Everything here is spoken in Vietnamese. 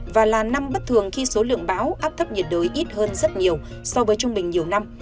và là năm bất thường khi số lượng bão áp thấp nhiệt đới ít hơn rất nhiều so với trung bình nhiều năm